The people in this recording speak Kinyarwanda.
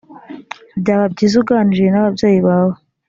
Byaba byiza uganiriye n ababyeyi bawe